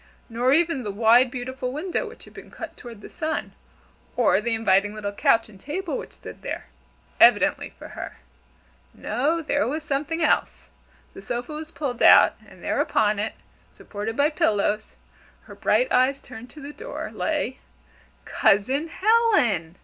Nor even the wide, beautiful window which had been cut toward the sun, or the inviting little couch and table which stood there, evidently for her. No, there was something else! The sofa was pulled out and there upon it, supported by pillows, her bright eyes turned to the door, lay Cousin Helen!